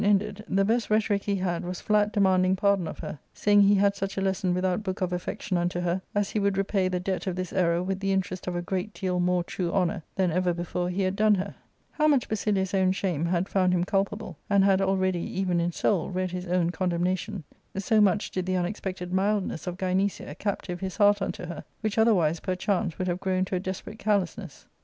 419 ended, the best rhetoric he had was flat demanding pardon of her, saying he had such a lesson without book of affection unto her as he would repay the debt of this error with the interest oi a great deal more true honour than ever before he had done her. How much Basilius' own shame had found him culpable, and had already, even in soul, read his own con demnation, so much did the unexpected mildness of Gynecia captive his heart unto her, which otherwise, perchance, would have grown to a desperate carelessness.